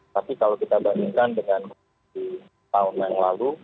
tapi kalau kita bandingkan dengan di tahun yang lalu